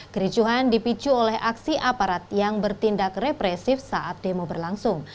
kericuhan dipicu oleh aksi aparat yang bertindak represif saat demo berlangsung